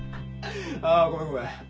あごめんごめん。